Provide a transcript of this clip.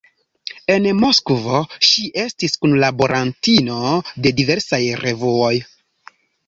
En Moskvo ŝi estis kunlaborantino de diversaj revuoj.